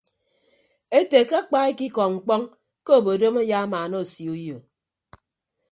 Ete ke akpa ekikọ mkpọñ ke obodom ayamaana osio uyo.